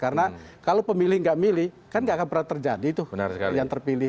karena kalau pemilih nggak milih kan nggak akan pernah terjadi itu yang terpilih